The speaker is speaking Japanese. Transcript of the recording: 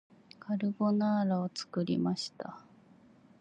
カルボナーラを作りました